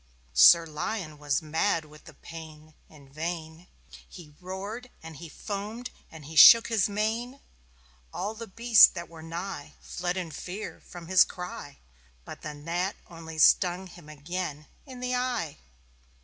Sir Lion was mad with the pain. In vain He roared and he foamed and he shook his mane. All the beasts that were nigh Fled in fear from his cry. But the Gnat only stung him again In the eye.